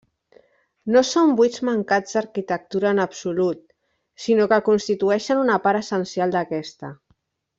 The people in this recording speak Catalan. No són buits mancats d'arquitectura en absolut, sinó que constitueixen una part essencial d'aquesta.